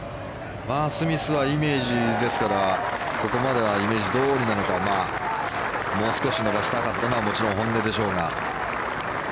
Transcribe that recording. スミスはここまでのイメージどおりなのかもう少し伸ばしたかったのはもちろん本音でしょうが。